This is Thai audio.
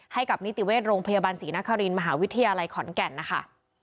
ให้กับนิติเวชโรงพยาบาลศรีนครินมหาวิทยาลัยขอนแก่นนะคะ